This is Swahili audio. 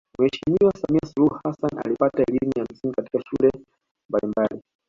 Mheshimiwa Samia Suluhu Hassan alipata elimu ya msingi katika shule mbalimbali